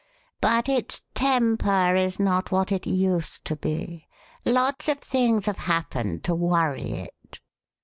But its temper is not what it used to be. Lots of things have happened to worry it."